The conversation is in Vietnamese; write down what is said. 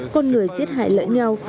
con người giết hại lỡ nhau